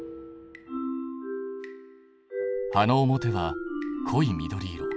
葉の表は濃い緑色。